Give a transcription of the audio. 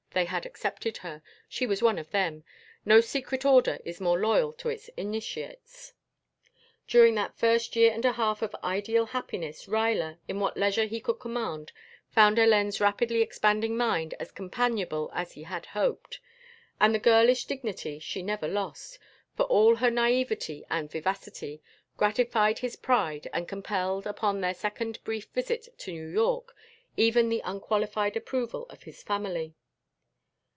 They had accepted her. She was one of them. No secret order is more loyal to its initiates. During that first year and a half of ideal happiness Ruyler, in what leisure he could command, found Hélène's rapidly expanding mind as companionable as he had hoped; and the girlish dignity she never lost, for all her naiveté and vivacity, gratified his pride and compelled, upon their second brief visit to New York, even the unqualified approval of his family.